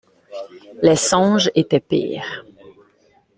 Les songes étaient pires.